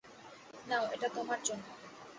নাও, এটা তোমার জন্য।